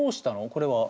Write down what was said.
これは。